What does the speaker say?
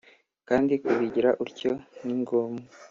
kandi kubigira utyo nigombwa.